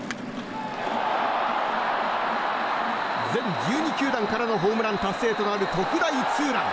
全１２球団からのホームラン達成となる特大ツーラン。